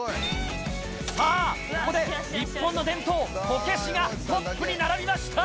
さあ、ここで日本の伝統、こけしがトップに並びました。